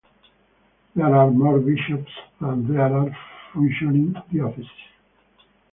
There are more bishops than there are functioning dioceses.